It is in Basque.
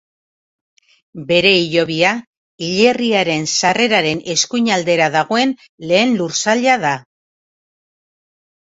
Bere hilobia hilerriaren sarreraren eskuinaldera dagoen lehen lursaila da.